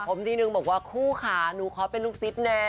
ผมนี่โดยบอกว่าคู่ขานุเขาเป็นลูกศิษย์แน่